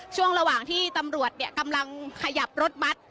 ช่วงระหว่างที่ตำรวจกำลังขยับรถบัตร